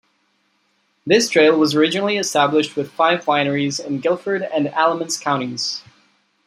This trail was originally established with five wineries in Guilford and Alamance Counties.